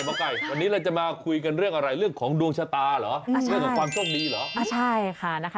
หมอไก่วันนี้เราจะมาคุยกันเรื่องอะไรเรื่องของดวงชะตาเหรอเรื่องของความโชคดีเหรออ่าใช่ค่ะนะคะ